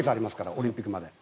オリンピックまで。